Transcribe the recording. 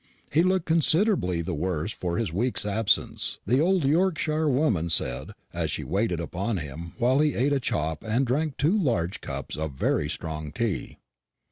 He looked considerably the worse for his week's absence, the old Yorkshire woman said, as she waited upon him while he ate a chop and drank two large cups of very strong tea.